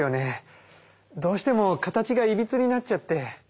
どうしても形がいびつになっちゃって。